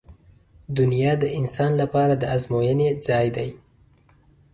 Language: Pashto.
• دنیا د انسان لپاره د ازموینې ځای دی.